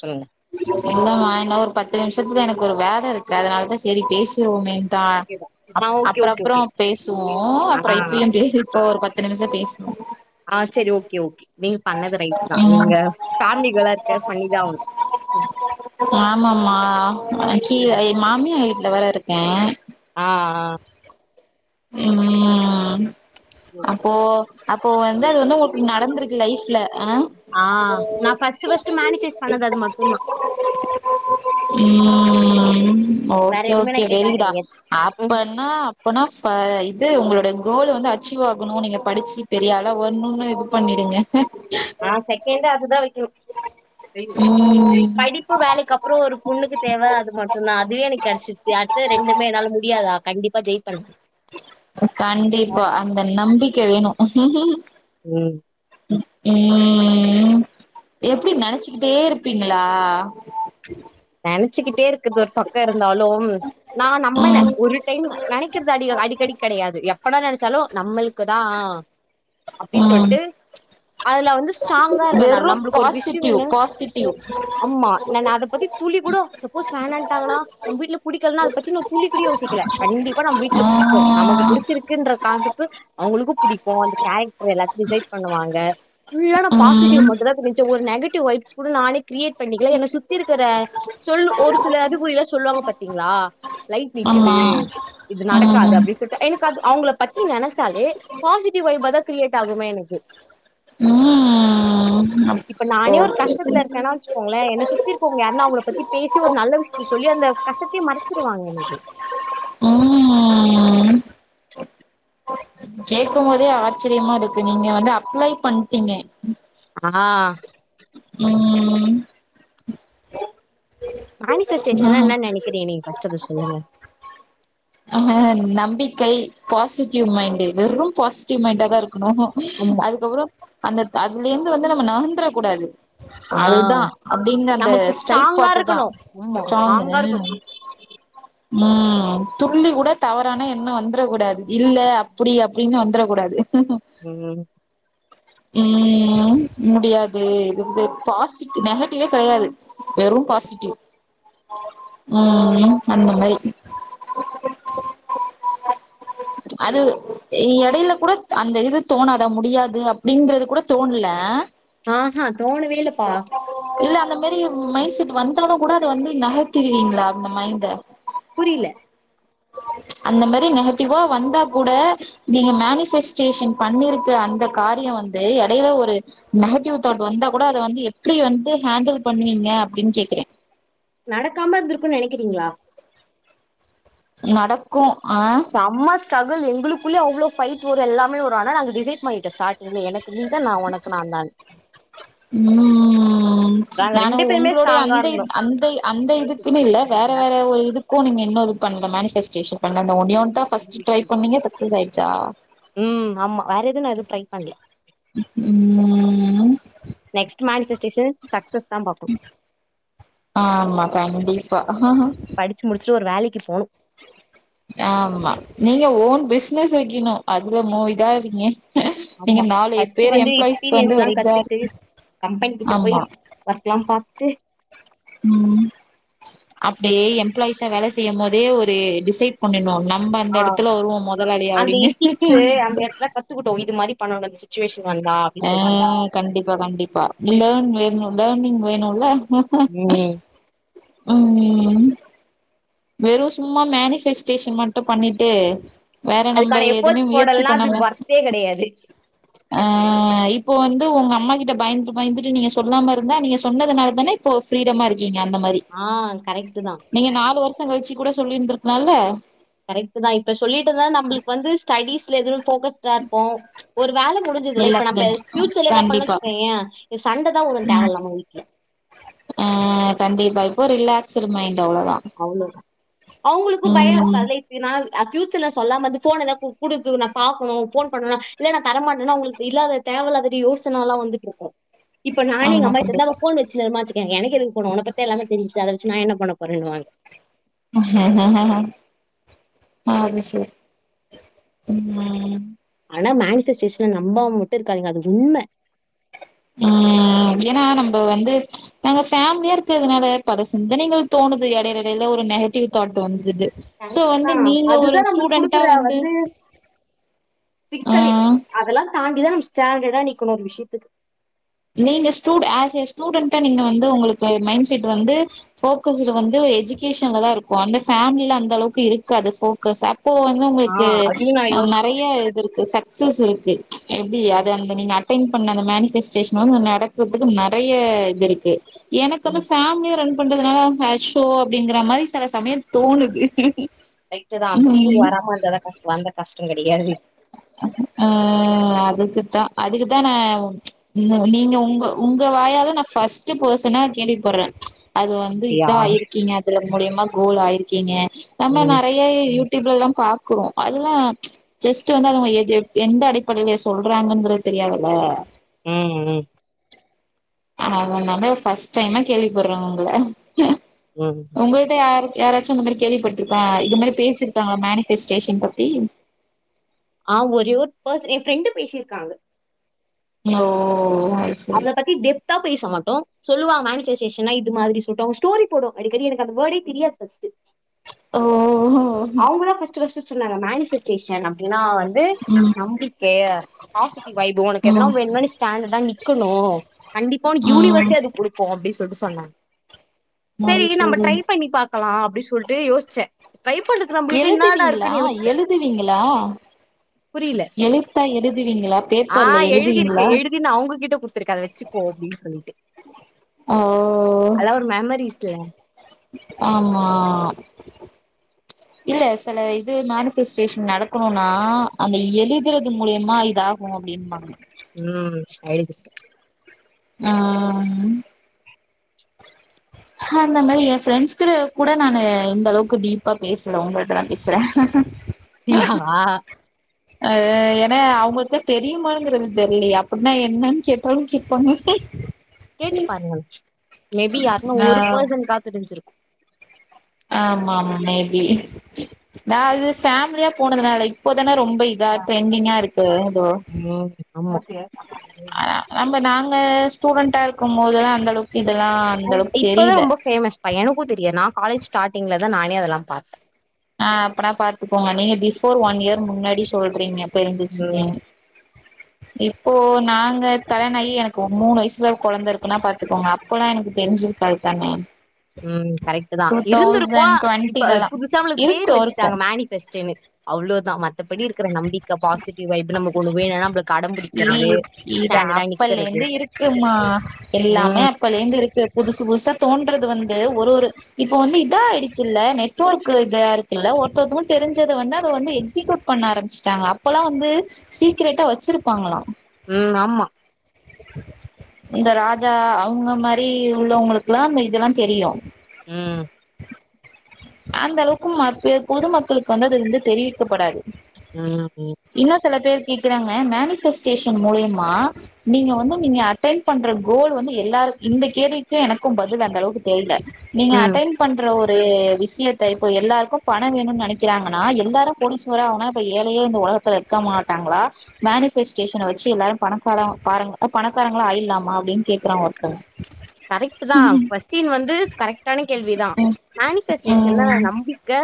சொல்லுங்க என்னம்மா இன்ன ஒரு பத் து நிமிஷத்துல எனக்கு ஒரு வேல இருக்கு அதனாலதா செரி பேசிருவோமேன் ட்டா ஆ அப் ஓகே அப்புறோ ஓகே அப்புறோ ஓகே பேசுவோ ஆ அப்புறோ இப்பையு பேசிப்போ ஒரு பத்து நிமிஷோ பேசி ஆ செரி ஓகே ஓகே நீங்க பண்ணது ரைட் தா நீங்க ம் ஃபேமிலி கேர்ளா இருக்க பண்ணிதா ஆவணு ம் ஆமாம்மா நா கீழ ஏ மாமியார் வீட்ல வேற இருக்கே ஆ ஆ ம் அப்போ அப்போ வந்து அது வந்து உங்களுக்கு நடந்திருக்கு லைஃப் ஆ நா ஃபஸ்ட்டு ஃபஸ்ட்டு மேனிசைஸ் பண்ணது அது மட்டுந்தா ம் வேற ஓகே எதுவுமே நா ஓகே கேட்டது வெரிகுடா கெடையாது ம் அப்பன்னா அப்பன்னா ஃப இது உங்களோட கோல் வந்து அச்சீவ் ஆகணு நீங்க படிச்சு பெரிய ஆளா வரணுன்னு இது பண்ணிடுங்க ஆ செகண்டு அதுதா வெக்கணு ம் படிப்பு வேலைக்கு அப்புறோ ஒரு பொண்ணுக்கு தேவ அது மட்டுந்தா அதுவே எனக்கு கெடைச்சிருச்சு அடுத்தது ரெண்டுமே என்னால முடி கேள் நா கண்டிப்பா ஜெயிச் கண்டிப்பா அந்த நம்பிக்க வேணு ம் ம் எப்டி நெனைச்சிக்கிட்டே இருப்பீங்களா வச்சுக்கிட்டே இருக்கறது ஒரு பக்க இருந்தாலு நா நம்பனே ம் ஒரு டைம் நெனைக்கிறது அடி அடிக்கடி கெடையாது எப் ப்ப என்ன நெனைச்சாலு நம்மளுக்குதா அப்டி ம் சொல்ட்டு அதுல வந்து ஸ்டராங்கா இருந்த நா வெறு நம்பளுக்கு ஒரு விஷ்யோ பாசிட்டிவ் என்ன பாசிட்டிவ் அம்மா நாங்க அத பத்தி துளி கூடோ சப்போஸ் வேணாட்டாங்கனா நம்ப வீட்ல புடிக்கலன்னா அத பத்தி துளி கூடியு யோசிக்கல கண்டிப்பா நம் வீட்ல புடிக்கு நமக்கு ஆ புடிச்சிருக்குன்றகான்டு கு அவுங்களுக்கு புடிக்கு அந்த கேரக்டர் எல்லாத் டிசைட் பண்ணுவாங்க ஃபுல்லா நா பாசிட்டிவ் ம் மட்டுந்தா தெரிஞ் ச்ச ஒரு நெகட்டிவ் வைப்ஸ் கூட நானே கிரியேட் பண்ணிக்கல என்ன சுத்தி இருக்கற சொல்லு ஒரு சில அறிகுறி எல்லா சொல்லுவாங்க பாத்தீங்களா லைட் ஆமா நிக்குது இது நடக்காது ம் அப்டின்னு சொல்லிட்டு எனக்கு அது அவுங்கள பத்தி நெனைச்சாலே பாசிட்டிவ் வைப்பாதா கிரியேட் ஆகுமே எனக்கு ம் ம் இப்ப நானே ஒரு கஷ்டத்துல இருக்கேன்னா வச்சுக்கோங்களே என்ன சுத்தி இரு க்குவங்க யாருன்னா அவுங்கள பத்தி பேசி ஒரு நல்ல விஷயத்த சொல்லி அந்த கஷ்டத்தையே மறச்சிருவாங்க எனக்கு ம் கேக்கும் போதே ஆச்சரியமா இருக்கு நீங்க வந்து அப்ளை பண்ட்டீங்க ஆ மேனிசஸ்டேஷன்னா ம் என்ன நெனைக்கிறீங்க நீங்க ஃபஸ்ட்டு அத சொல்லுங்க நம்பிக்கை பாசிட்டிவ் மைண்டு வெறும் பாசிட்டிவ் மைண்டாதா இருக் கணு ஆமா அதுக்கப்புறோ அந்த அதுலேருந்து வந்து நம்ம நவுந்தரக்கூடாது ஆ அதுதா அப்டிங்க அந்த நமக்கு ஸ்டைர்ட் ஸ்ட்ராங்கா பார்ட்டுதா இருக்கணும் ஆமா ஸ்ட்ராங்கு ஸ்ட்ராங்கா இருக்கணும் ம் துளளி கூட தவறான எண்ண வந்துரக்கூடாது இல்ல அப்டி அப்டின்னு வந்துரக்கூடாது ம் ம் முடியாது இது வந்து பாசிட் நெகட்டிவே கெடையாது வெறு பாசிட்டிவ் ம் அந்தமாரி அது எடையில கூட அந்த இது தோணாதா முடியாது அப்டிங்கிறது கூட தோணல ஆஹ தோணவே இல்லப்பா இல்ல அந்த மெரி மைண்ட் செட் வந்தாலு கூட அத வந்து நகத்துவீங்ளா அந்த மைண்ட புரில [inaudible] அந்த மரி நெகட்டிவ்வா வந்தா கூட நீங்க மேனிஃபெஸ்டேஷன் பண்ணிருக்க அந்த காரியோ வந்து எடைல ஒரு நெகட்டிவ் தாட் வந்தா கூட அத வந்து எப்டி வந்து ஹேண்டில் பண்ணுவீங்க அப்டின் கே கேக்குறே நடக்காம இருந்துருக்குன் நெனைக்றீங்ளா நடக்கு ஆ ஸ்டகுல் எங்குளுக்குள்ளே அவ்ளோ ஃபைட் வரு எல்லாமே வரு ஆனா நாங்க டிசைட் பண்ணிட்டோ ஸ்டாட்டிங்ளே எனக் நீதா நா உனக்கு நா தானு ம் நானு ஒங்களுடைய அந்த இ அந்த அந்த இதுக்குன்னு இல்ல வேற வேற ஒரு இதுக்கு நீங்க இன்னு பண்ல மேனிஃபெஸ்டேஷன் பண்ல ஒன்னே ஒன்னு தா ஃபஸ்ட் ட்ரை பண்ணிங்க சக்சஸ் ஆயிடுச்சா ம் ஆமா வேற எது நா எது ட்ரை பண்ல [unintelligible] நெக்ஸ்ட் மேனிஃபெஸ்டேஷன் சக்ஸஸ் ஆமா கண்டிப்பா ஃபஸ்ட்டு ஒரு வேலைக்கு போ ஆமா நீங்க ஓன் பிஸ்னஸ் வைக்குணு அதுல மூவிங்கா இருங்க ஆம்மா ஃபஸ்ட் வந்து வந்து எக்ஸ்பீரியன்ஸ்லா ஒரு இதா கத்துட்டு இருக்கு கம்பெனி கிட்ட போய் ஆமா ஒர்க்லா பாத்துட்டு ம் அப்டே எம்ப்ளாயிஸா வேல செய்யம் போதே ஒரு டிசைட் பண்ணிணு நம்ப அந்த எடத்துல வருவோ மொதலாளியா அந்த அடின்னு பணோ [unintelligible] அ கண்டிப்பா கண்டிப்பா லேன் வேணு லேர்னிங் வேணுல ம். [inaudible] ஆமா வெறு சும்மா மேனிஃபெஸ்டேஷன் மட்டு பண்ணிட்டு வேற நம்ம அதுக்கான எதுமே எஃபோர்ட்ஸ் முயற்சி போடலன்னா அது பண்ணாம வொர்த்தே கிடையாது. ஆ இப்போ வந்து ஒங்க அம்மா கிட்ட பயந்துட்டு பயந்துட்டு நீங்க சொல்லாமருந்தா நீங்க சொன்னதுனால தான இப்போ ஃப்ரீடமாருக் கிங்க அந்த மாரி ஆ கரெக்ட்டு தான். நீங்க நாலு வருஷோ கழிச்சு கூட சொல்லிருந்துருக்லால கரெக்ட்டு தா இப்ப சொல்லிட்டுந்தா நம்ளுக்கு வந்து ஸ்டடிஸ்ல எது ஃபோக்கஸ்டா ருப்போ ஒரு வேல முடிஞ்சிதுல இப்ப நம்ப எல்லாத்துலயுமே ஃபியூச்சர்ல எதா பண்ணோ கண்டிப்பா வச்சிக்கோயே சண்ட தா போடுவோ தேவ இல்லாம வீட்ல ஆ கண் ஓ ரிலாக்கஸ்டு மைண்ட் அவ்ளதா அவங்குளுக்கு பயோ ம் இருக்காதுல இப்பி நா அ ஃபியூச்சர்ல சொல்லாமர்ந்து ஃபோன்ன லா கு குடுக்கு நா பாக்குணு ஃபோன் பண்ணனா இல்ல நா தர மாட்டன்னா உங்ளுக்கு இல்லாத தேவ இல்லாதது யோசனலா வந்துட்டு இருக்கு இப்ப நானே எங்க ஆமா அம்மா கண்டிப்பா கிட்டந்து ஃபோன் வச்சு [unintelligible] ஏ எனக்கெதுக் ஃபோனு உன்ன பத்தி தா எல்லாமே தெரிச்சுச்சு அத வச்சு நா என்ன பண்ண போறேன்னுவாங்க ஹ்ஹஹ அது சேரி ஆனா மேனிஃபெஸ்டேஷன்ன நம்பாம மட்டு இருக்காதீங்க அது உண்ம ஆ அ ஏனா நம்ம வந்து நாங்க ஃபேமிலியா இருக்கர்துனால பல சிந்தனைகள் தோணுது எடைல எடைல ஒரு நெகட்டிவ் தாட் வந்துது சோ கரெக்டுதா வந்து நீங்க ஒரு அதுதா நம்புளுக்கு ஸ்டூடெண்டா குடுக்குற வந்து சிக்கலே ஆ அதெல்லா தாண்டிதா நம்ம ஸ்டாண்டர்டா நிக்கணு ஒரு விஷயத்துக்கு நீங்க ஸ்டூ ஆஸ் ஏ ஸ்டுடண்டா நீங்க வந்து உங்குளுக்கு மைண்ட செட் வந்து ஃபோக்கஸ்ல வந்து எஜிகேஷன்ல தாருக்கு அந்த ஃபேமிலில அந்த அளவுக்கு இருக்காது ஃபோக்கஸ் அ அப்போ வந்து ஆ உங்குளுக்கு அதையும் நான் அ யோசிச்சிருக்கேன் நறைய இதுருக்கு சக்சஸ் இருக்கு எப்டி அது அந்த நீங்க அட்டென் பண்ண அந்த மேனிபெஸ்டேஷன் வந்து நடக்குது அதுக்கு நெறைய இது இருக்கு எனக்கு வந்து பேமிலிய ரன் பண்றதுனால ஹஸ்ஷோ அப்டிங்கிற மாதி செல சமயோ தோணுது ரைட்டு தா பீல் ம் வராம இருந்தாதா கஷ்டோ அந்த கஷ்டோ கெ ஆ அது க்கு தா அதுக்குதா நா நீங்க உங்க உங்க வாயால நா ஃபர்ஸ்ட் பெர்ஸ்சனா கே கேள்விபட்றே அது வந்து இத அப்படியா ஆயிருக்கீங்க அதுல மூலியமா கோல் ஆயிருக்கீங்க நம்ம ம், நெறையா யூ டியூப்ல எல்லா பாக்றோ அதெல்லா ஜஸ்ட் வந்து அவங்க எ எந்த அடிப்படேல சொல்றாங்கங்கற தெரியாதுல்ல ம் ம் அதனால ஃபர்ஸ்ட் டைம்மா கேள்விப்படுறேங்க ஒங்கள ம். ஒங்கள்ட்ட யாருக் யாராச்சு இந்த மாரி கேள்விப்பட்ருக்கே இது மாரி பேசிருக்காங்களா மேனிபெஸ்டேஷன் பத்தி ஆ ஒரே ஒரு பர்சன் ஏ ஃப்ரெண்டு் பேசிருக்காங்க ஓ அது சரி அவள சரி. பத்தி டெப்தா பேச மாட்டோ சொல்லுவா மேனிபெஸ்டேஷன்னா இது மாதிரி சூட் ஆவு ஸ்டோரி போடு அடிக்கடி எனக்கு அந்த வேர்டே தெரியாது ஃபர்ஸ்ட் ஓஹோ அவுங்க தா ஃபர்ஸ்ட் ஃபர்ஸ்ட் சொன்னாங்க மேனிபஸ்டேஷன் அப்டின்னா வந்து ம் நம்பிக் கேய ஹாஷிப் வைபோ ஒனக்கு எதனா ம் வேணுன்னா நீ ஸ்டாண்டர்டா நிக்கணு கண்டிப்பா ஒனக் யூனிவர்ஸே ம் அது குடுக்கு அப்டி சொன் சொல்ட்டு சொன்னே அது சேரி நம்ப சரி ட்ரை பண்ணி பாக்கலா அப்டி சொல்ட்டு யோசிச்சே ட்ரை பண்றதுக்கு நம்பகிட்ட என்னடா எழுதுவீங்களா இருக்குன்னு யோசிச்சே எழுதுவீங்களா புரியல எழுத்தா எழுதுவீங்களா ஆ பேப்பர்ல எழுதிருக்கே எழுதுவீங்களா எழுதி நா அவுங்ககிட்ட குடுத்துருக்கே அத வச்சிக் கோ அப்டீன்னு சொல்லீட்டு ஓ சேயா ஆமா இல்ல செல இது மேனிபெஸ்டேஷன் நடக்கணுன்னா அந்த எழுதுறது மூலியமா இதா கு அப்டிம்பாங்க ஐ டி ஃபர்ஸ்ட் ஆ ம் ஹ அந்த மாரி ஏ ஃப்ரெண்ட்ஸ் கிட்ட கூட நானு இந்த அளவுக்கு டீப்பா பேசல உங்கள்ட்ட தா பேசுறே அப்டியா ஆஹ ஏன்னா அவுங்களுக்குதா தெரியுமாங்கிறது தெர்லயே அப்டின்னா என்னன்னு கேட்டாலு கேப்பாங்க கேட்டுபாருங்களே மேபி யாருக்குனா ஒரு ஆ பர்சன்கா தெரிஞ்சிருக்கு ஆமா ஆமா மேபி நா அது ஃபேமிலியா போனதுனால இப்போ தான ரொம் ப இதா ட்ரெண்டிங்கா இருக்கு ஏதோ ம் ஆமா ஆ ஆமா நாங்க ஸ்டூடெண்ட்டா இருக்கும் போதுலா அந்த அளவுக் இப்பதா ரொம்ப பேமஸ் பா எனக்கு தெரியாது நா காலேஜ் ஸ்டார்டிங்லதா நானே அதெல்லா பாத்தே ஆ அப்பனா பாத்துக்கோங்க நீங்க பிபோர் ஒன் இயர் முன்னாடி சொல்றீங்க தெரிஞ்சிச்சிங்க ம் இப்போ நாங்க கல்யாணோ ஆகி எனக்கு மூணு வயசுல கொழந்தை இருக்குன்னா பாத்துக்கோங்க அப்போல்லா எனக்கு தெரிஞ்சி கரெக்ட் தான ம் கரெக்ட் தா இருந்துருக்கு இப்ப டுவெண்ட்டிலல்லா புதுசா நம்மளுக் பேர் இருக்கு இருக்கு வச்சிட்டாங்க மேனிபெஸ்ட்ன்னு அவ்ளோதா மத் தபடி இருக்ற நம்பிக்க பாசிட்டிவ் வைப் நமக்கு ஒன்னு வேணுன்னா நம்பளுக் அடுத் இ இது அப்பல்லேந்து இருக்குமா எல்லாமே ம், அப்பலேந்து இருக்கு பு புதுசு புதுசா தோண்றது வந் து ஒரு ஒரு இப்ப வந்து இதா ஆயிடுச்சுல்ல நெட்வொர்க் இதா இருக்குல்ல ஒருத்தெக்குவங்ளுக்கு தெரிஞ்சத வந் இப்போ வந்து எக்ஸிகியூட் பண்ண ஆரம்பிச்சிட்டாங்க அப்பெல்லா வந்து சீக்ரெடா வெச்சிருப்பாங்களா ம். ஆமா. இந்த ராஜா அவங்க மாரி உள்ளவங்களுக்கெல்லா இந்த இதெல்லா தெரியு ம் அந்த அளவுக்கு மக்கள் பொதுமக்களுக்கு வந்து அது வந்து தெரிவிக்கப்படாது ம் ம் இன்னு சில பேர் கேட்கறாங்க மேனிஸ் ஸ்டேஷன் மூலமா நீங்க வந்து நீங்க அட்டண் பண்ற கோல் வந்து எல்லார் இந்த தேதிக்கு எனக்கு பதில் அந்த அளவுக்கு தெரில நீங்க ம். அட்டண்ட் பண்ற ஒரு அ விஷயத்த இப்ப எல்லாருக்கு பணம் வேணும்னு நெனைக்கிறாங்கன்னா எல்லாரு கோடிசுவர ஆவனுனா அப்ப ஏழைய இந்த ஒலக ஒலகத்தில இருக்க மாட்டாங்களா மேனிபஷ்ட் ஸ்டேஷன்ல வெச்சு எல்லாரு பணக்கார பா பணக்காரங்களா ஆயிறலாமா அப்டின்னு கேக்குறாங்க ஒருத்தரு கரெக்டு தா கொஸ்டின் வந்து கரெக்டான கேள்விதா ம் மேனிபஸ்டேஷன் என்னா ம் நம்பிக்க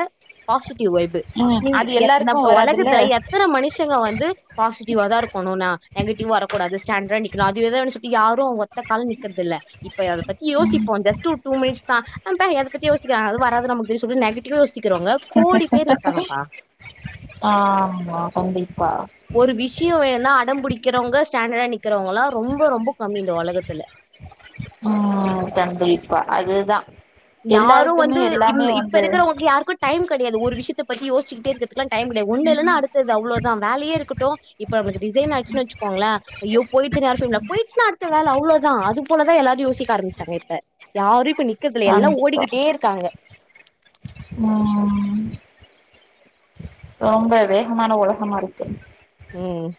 பாசிட்டிவ் வைய்பு ம் நீ அது எல்லாருக்கு நம் வராதுல்ல ஒலகத்துல எத்தன மனுஷங்க வந்து பாசிட்டிவா தா இருக்கோ [unintelligible] நெகட்டிவ் வரக்கடாது ஸ்டேன்டடா நிக்கனு அதுவேதா நெனசிட்டு யாரு அவ கால நிக்கறதில்ல இப்ப அத பத்தியோசிப்போ ஜஸ்ட் ஒரு டூ மினிட்ஸ் தா அதபத்தி யோசிக்க வேணா அது வாராது நமக்கு இது மாரி சொல்லி நெகட்டிவா யோசிக்கிறாங்க கோடி பேர் இருக்காங்கப்பா ஆமா கண்டிப்பா ஒரு விஷயோ வேணுனா அடம் பிடிக்கிறவங்க ஸ்டாண்டடா நிக்கறவங்களா ரொம்ப ரொம்ப கம்மி இந்த ஒலகத்துல அ கண்டிப்பா அதுதா யாரு எல்லாருக்குமே வந்து எல்லாமே இப்ப வந்து இருக்கிறவங்களுக்கு யாருக்கு டைம் கெடையாது ஒரு விஷயத்த பத்தி யோச்சிக்கிட்டே இரு த்து டைம் கெடையாது ஒண்ணு இல்லனா அடுத்தது அவ்ளோதா வேலையே இருக்கட்டு இப்ப நமக்கு ரிசைன் ஆயிருச்சுனா வெச்சுக்கோங்களே ஐயோ போயிடுச்சுனு யாரு சொல்லமாட் போயிடுச்சுனா அடுத்த வேல அவ் அவ்ளோதா அது போலதா எல்லாரு யோசிக்க ஆரம்பிச்சாங்க இப்ப யாரு இப்ப நிக் எல்லா கண்டிப்பா ஓடிக்கிட்டே இருக்காங்க ம் ரொம்ப வேகமான உலகமா இருக்கு ம்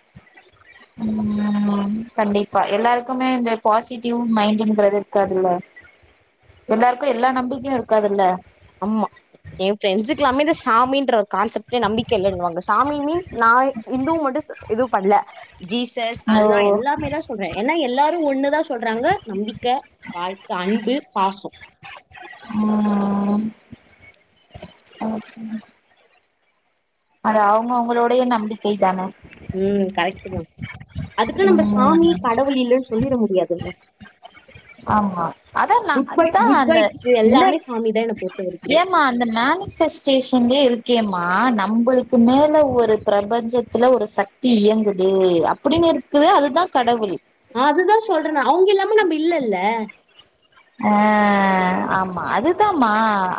ம் கண்டிப்பா எல்லாருக்குமே இந்த பாசிட்டிவ் மைண்டிங்கிறது இருக்காதுல்ல எல்லாருக்கு எல்லா நம்பிக்கையு இருக்காதுல்ல ஆமா ஏ ஃப்ரெண்ட்ஸ்க்கு எல்லாமே இந்த சாமின்ற ஒரு கான்செப்ட்டே நம்பிக்க இல்லனுவாங்க சாமி மீன்ஸ் நா இந்துவ மட்டு இது பண்ல ஜீசஸ் ஓ அல்லா எல்லாமே தா சொல்றே ஏன்னா எல்லாரு ஒண்ணு சொல்றாங்க நம்பிக்க வாழ்க்க அன்பு பாசோ ம் [unintelligible] அது அவங்க அவங்களுடைய நம்பிக்கை தான ம் கரெக்ட்டு தா அதுக்குன்னு நம்ப ம் சாமி கடவுள் இல்லன்னு சொல்லிட முடியாதுல்ல ஆமா அதா நா குட் பை அததா குட் அந்த வைப்ஸ் என்ன எல்லாமே சாமி தான் என்னை பொறுத்த வரைக்குமே ஏம்மா அந்த மேனிபெஸ்டேஷன்லே இருக்கேமா அ நம்பளுக்கு மேல ஒரு பிரபஞ்சத்தில ஒரு சக்தி இயங்குது அப்பிடின்னு இருக்கு அதுதா கடவுள் அதுதா சொல்றே நா அவங்க இல்லாம நம்ப இல்லல்ல அ ஆமா அதுதாமா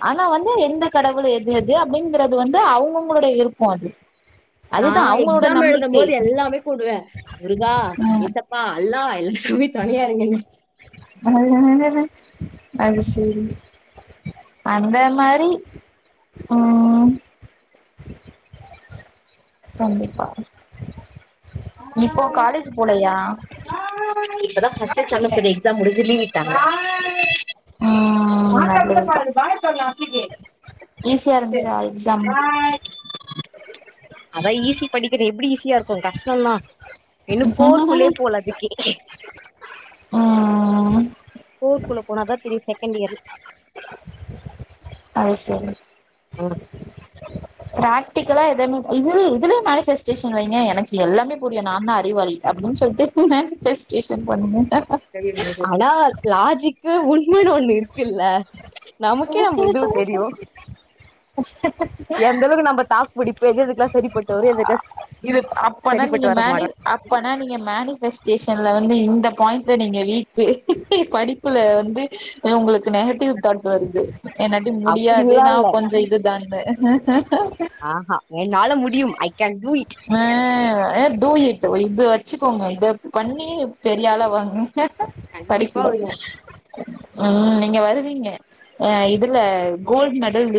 ஆனா வந்து எந்த கடவுள் எது எது அப்டின்னு ங்கிறது வந்து அவங்கவுங்களோட விருப்பம் அது நா அதுதா அவங்களோட எக்ஸாம் எழுதும் நம்பிக்கை போது எல்லாமே கூப்டுவே முருகா ஏசப்பா அல்லா எல்லா ல்லாமே தொனாயா இருங்கனு அது சேரி அந்த மாரி ம் கண்டிப்பா இப்போ ஹாய் காலேஜ் போலையா ஹாய் இப்பதா ஃபர்ஸ்ட் செமஸ்டர் எக்ஸா முடிஞ்சு லீவ் விட் ட்டாங்க ம் பாட்ட மட்டு நல்லதுதா பாடுது வாய்யா தொரலா ஈஸியா இருந்துச்சா எக்ஸாம் அதா ஈசி படிக்கிரேயே ஏப்படி ஈஸியா இருக்கு கஷ்ட தா இன்னு கோர்க்குள்ளையே போல இப்பதிக்கு ம் ம் கோர் குள்ள போனாதா தெரியு செகண்ட் இயர் ஆ. ம் பிரா்டிகலா இதுனி இதுலே இதுலே மனிபெஸ்ட் ஸ்டேஷன் வைங்க எனக் எல்லாமே புரியு நா தா அறிவாளி அப்படின்னு சொல்லிட்டு மணிபெஸ்டேஷன் பண்ணுங்க ஆனா லாஜிக்கு உண்ம ஒண்ணு இருக்குல்ல நமக்கே நம்ம இது தெரியு [unintelligible] எந்தளவுக்கு நம்ம தாக்கு புடிப்ப எது எதுக்கெல்லா சரிப்பட்டு வரு எது எதுக்கலா இது அப்பனா நீங்க மனி அப்பனா நீங்க மனி ஸ்டேஷன்ல வந்து இந்த பாயிண்ட்ல நீங்க வீக்கு படிப்புல வந்து உங்களுக் நெகட்டிவ் தாட் வருது என்னாட்டடி முடியாது அப்படில்லா நா இல்ல கொஞ்ச இதுதா ஆஹா என்னால மு ஆ ஏ தூயட்டு இது வச்சுக்கோங்க இது பண்ணி பெரிய ஆளா வாங்க கண்டிப்பா படிப்பல ஒரு உம் நீங்க வருவீங்க இதுல கோல்டு மெடல் லிஸ்